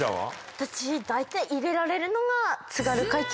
私大体入れられるのが。